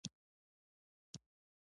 نسک د وینې لپاره ښه دي.